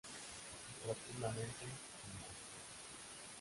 Rotundamente: ¡No!